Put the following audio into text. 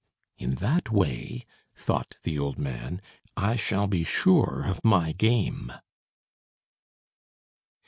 "In that way," thought the old man, "I shall be sure of my game."